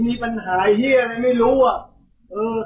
มีจริง